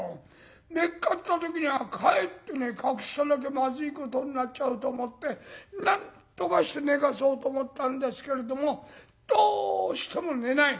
めっかった時にはかえってね隠さなきゃまずいことになっちゃうと思ってなんとかして寝かそうと思ったんですけれどもどうしても寝ない。